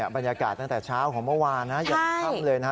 บรรยากาศตั้งแต่เช้าของเมื่อวานนะยันค่ำเลยนะฮะ